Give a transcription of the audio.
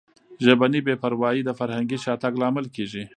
ژبني بې پروایي د فرهنګي شاتګ لامل کیږي.